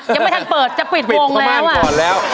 ยังไม่ทักเปิดจะปิดวงแล้ว